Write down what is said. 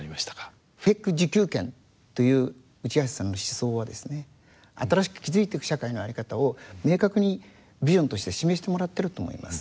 ＦＥＣ自給圏という内橋さんの思想はですね新しく築いてく社会の在り方を明確にビジョンとして示してもらってると思います。